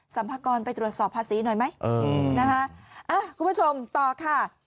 พากรไปตรวจสอบภาษีหน่อยไหมเออนะคะคุณผู้ชมต่อค่ะ